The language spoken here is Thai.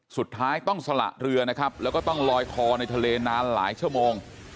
สุดท้ายต้องสละเรือนะครับแล้วก็ต้องลอยคอในทะเลนานหลายชั่วโมง